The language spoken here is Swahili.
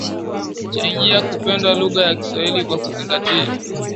changia kupendwa lugha ya Kiswahili Kwa kuzingatia